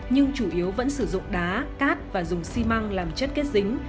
nhưng chủ yếu vẫn sử dụng đá cát và dùng xi măng làm chất kết dính